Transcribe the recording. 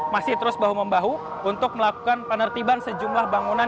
masih terus bahu membahu untuk melakukan penertiban sejumlah bangunan